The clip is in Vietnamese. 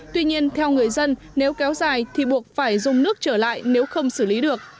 tuy nhiên theo người dân nếu kéo dài thì buộc phải dùng nước trở lại nếu không xử lý được